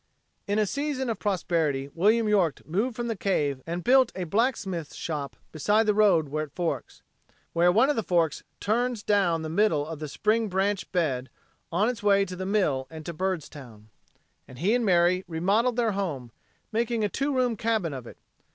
In a season of prosperity William York moved from the cave and built a blacksmith's shop beside the road where it forks, where one of the forks turns down the middle of the spring branch bed, on its way to the mill and to Byrdstown. And he and Mary remodeled their home, making a two room cabin of it.